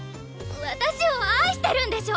私を愛してるんでしょ